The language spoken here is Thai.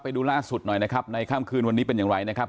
ดูล่าสุดหน่อยนะครับในค่ำคืนวันนี้เป็นอย่างไรนะครับ